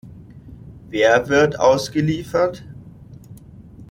Wer wird ausgeliefert?